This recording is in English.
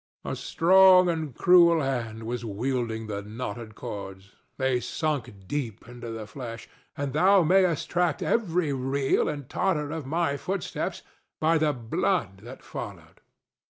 A strong and cruel hand was wielding the knotted cords; they sunk deep into the flesh, and thou mightst have tracked every reel and totter of my footsteps by the blood that followed.